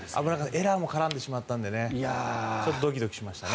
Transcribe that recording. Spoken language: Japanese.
エラーも絡んでしまったのでドキドキしましたね。